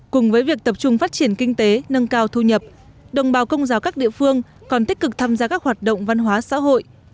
cùng với việc tập trung phát triển kinh tế nâng cao thu nhập đồng bào công giáo các địa phương còn tích cực tham gia các hoạt động văn hóa xã hội